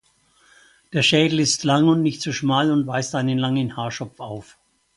Der Schädel ist lang und nicht zu schmal und weist einen langen Haarschopf auf.